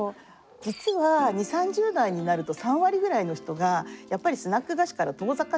実は２０３０代になると３割ぐらいの人がやっぱりスナック菓子から遠ざかっちゃう。